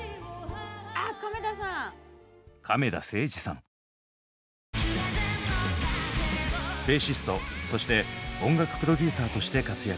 あっ亀田さん！ベーシストそして音楽プロデューサーとして活躍。